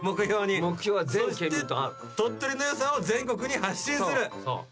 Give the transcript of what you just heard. そして鳥取のよさを全国に発信する。